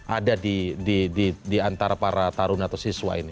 ada di antara para tarun atau siswa ini